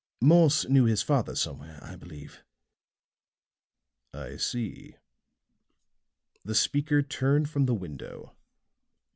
Morse knew his father somewhere, I believe." "I see." The speaker turned from the window.